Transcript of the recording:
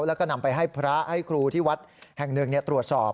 แล้วก็นำไปให้พระให้ครูที่วัดแห่งหนึ่งตรวจสอบ